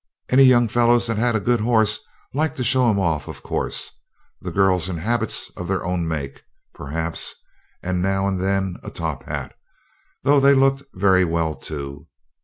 Any young fellows that had a good horse liked to show him off, of course; the girls in habits of their own make, perhaps, and now and then a top hat, though they looked very well too.